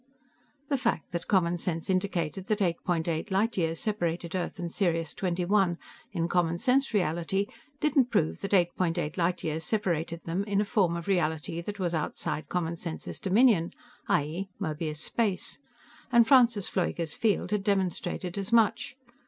The fact that common sense indicated that 8.8 light years separated Earth and Sirius XXI in common sense reality didn't prove that 8.8 light years separated them in a form of reality that was outside common sense's dominion i.e., Möbius space and Francis Pfleuger's field had demonstrated as much.